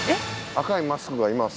赤いマスクがいます。